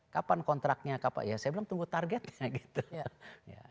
kapan kontraknya saya bilang tunggu targetnya